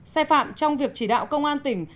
sai phạm trong việc chỉ đạo công an tỉnh